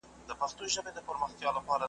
دتوپان په دود خروښيږي ,